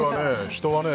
人はね